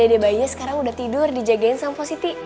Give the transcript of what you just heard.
dede bayinya sekarang udah tidur dijagain sama positi